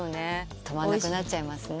止まらなくなっちゃいますね。